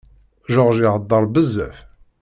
George ihedder bezzaf